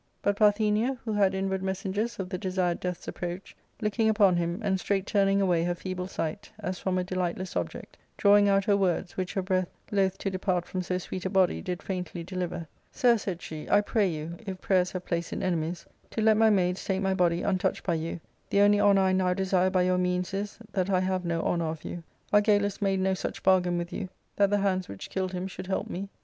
But Parthenia, who had inward messengers of the desired death's approach, looking upon him, and straight turning away her feeble sight, as from a delightless object, drawing out her words, which her breath, loth to depart from so sweet a body, did faintly deliver, ^* Sir/* said she, " I pray you, if prayers have place in enemies, to let my maids take my body untouched by you: the only honour I now desire by your means is, that I have no honour of you. Argalus made no such bargain with you: that the hands which killed him should help me.